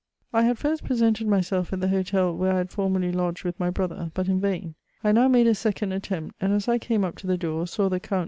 I had ffrst presented myself at the hotel where I had for merly lodged with my brother, but in vain ; I now made a second attempt, and as I came up to the door, saw the Count